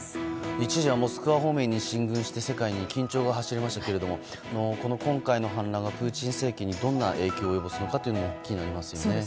一時はモスクワ方面に進軍して世界に緊張が走りましたけども今回の反乱がプーチン政権にどんな影響を及ぼすのか気になりますよね。